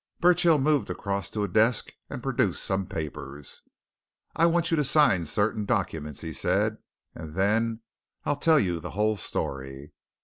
Burchill moved across to a desk and produced some papers. "I want you to sign certain documents," he said, "and then I'll tell you the whole story.